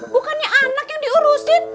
bukannya anak yang diurusin